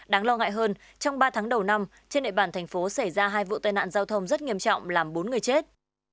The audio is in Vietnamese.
đáng lo ngại hơn trong ba tháng đầu năm trên địa bàn thành phố xảy ra hai vụ tai nạn giao thông rất nghiêm trọng làm bốn người chết